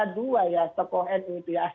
dua ya tokoh nu itu ya